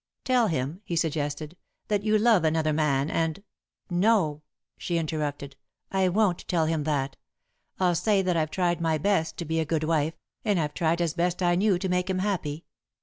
"Tell him," he suggested, "that you love another man, and " "No," she interrupted, "I won't tell him that. I'll say that I've tried my best to be a good wife, that I've tried as best I knew to make him happy.